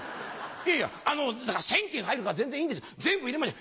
「いやいや１０００件入るから全然いいんです全部入れましょ」。